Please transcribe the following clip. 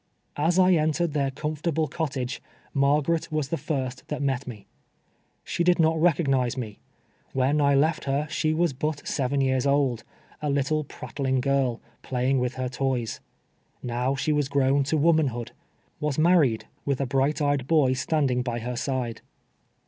As I entered their comfortable cottage, Margaret was the first that met me. She did not recognize me. AVhen I left her, she was but seven years old, a little prattling girl, playing with her toys. Now she was grown to womanhood — was married, with a bright ejed boy standing by her side.